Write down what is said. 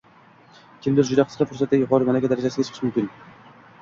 Kimdir juda qisqa fursatda yuqori malaka darajasiga chiqishi mumkin